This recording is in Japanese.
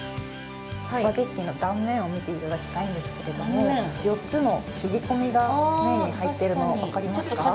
スパゲッティの断面を見ていただきたいんですが４つの切り込みが麺に入っているの分かりますか？